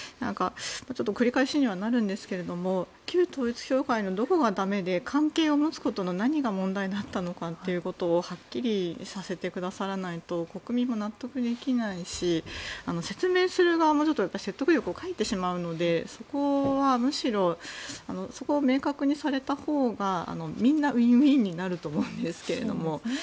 繰り返しにはなるんですが旧統一教会のどこが駄目で関係を持つことの何が問題だったのかということをはっきりさせてくださらないと国民も納得できないし説明する側も説得力を欠いてしまうのでそこは、むしろそこを明確にされたほうがみんなウィンウィンになると思うんですけど。